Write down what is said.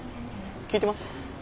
聞いてます？